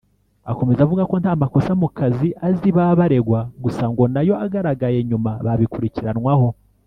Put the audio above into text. Akomeza avuga ko nta makosa mu kazi azi baba baregwa gusa ngo nayo agaragaye nyuma babikurikiranwaho